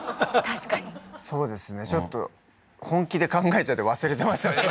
確かにそうですねちょっと本気で考えちゃって忘れてましたね